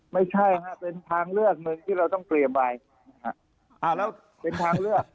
ไม่ใช่เป็นทางเลือกหนึ่งที่เราต้องเตรียมไว้เป็นทางเลือก